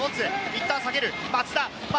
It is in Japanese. いったん下げる松田。